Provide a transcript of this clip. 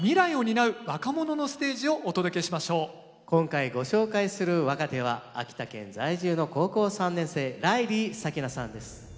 今回ご紹介する若手は秋田県在住の高校３年生ライリー咲菜さんです。